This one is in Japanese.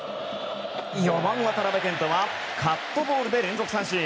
４番、渡部健人はカットボールで連続三振。